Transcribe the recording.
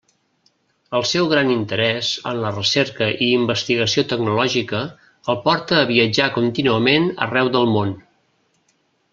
El seu gran interès en la recerca i investigació tecnològica el porta a viatjar contínuament arreu del món.